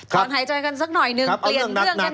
ถอนหายเจอกันสักหน่อยนึง